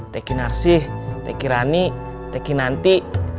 teki narsih teki rani teki nanti